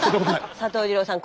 佐藤二朗さん